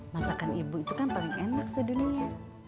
masakan ibu itu kan paling enak sedunia